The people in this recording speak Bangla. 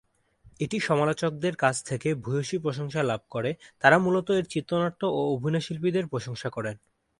এটি সমালোচকদের কাছ থেকে ভূয়সী প্রশংসা লাভ করে, তারা মূলত এর চিত্রনাট্য ও অভিনয়শিল্পীদের প্রশংসা করেন।